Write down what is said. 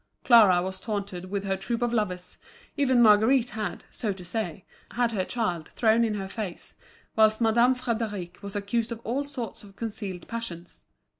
Clara was taunted with her troop of lovers, even Marguerite had, so to say, had her child thrown in her face, whilst Madame Frédéric was accused of all sorts of concealed passions.